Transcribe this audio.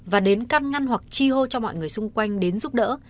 và đến căn ngăn hoặc chi hô cho mọi người xung quanh đến giúp đỡ